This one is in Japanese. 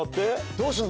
どうすんの？